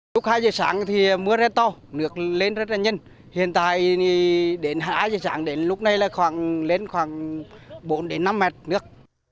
lúc hai giờ sáng thì mưa rất to nước lên rất là nhanh hiện tại đến hai giờ sáng đến lúc này là khoảng lên khoảng bốn đến năm mét nước